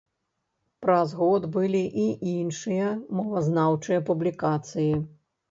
Праз год былі і іншыя мовазнаўчыя публікацыі.